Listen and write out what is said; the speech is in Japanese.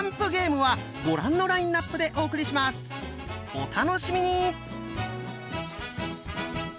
お楽しみに！